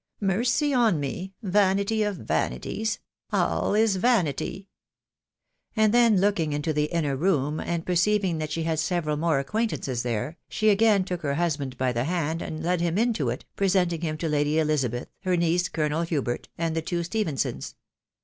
Mercy on me !.... Vanity of vanities !.... all is vanity !".... And then looking into the inner room, and perceiving that she had several more acquaintances there, she again took her husband by the hand and led him into it, presenting him to Lady Elizabeth, her niece, Colonel Hubert, and the two Stephensons.